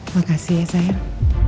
makasih ya sayang